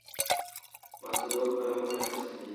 ما څلور قلمونه اخیستي دي.